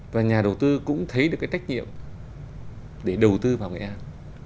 và nhà đầu tư cũng thấy được cái trách nhiệm để đầu tư vào nghệ an